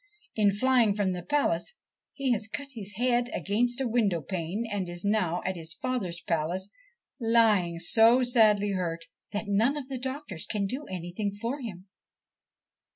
In flying from the palace he has cut his head against a window pane, and is now at his father's palace lying so sadly hurt that none of the doctors can do anything for him.'